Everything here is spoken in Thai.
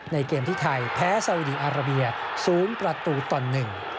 ในเกมที่ไทยแพ้สาวิดีอาราเบียสูงประตูตอนหนึ่ง